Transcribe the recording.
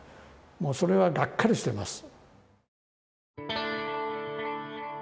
もうそれはガッカリしてます